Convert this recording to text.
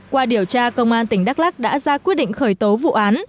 qua điều tra công an tỉnh đắk lắc đã ra quyết định khởi tố vụ án